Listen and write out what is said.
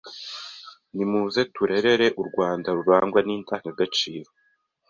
nimuze turerere u Rwanda rurangwa n’indangagaciro,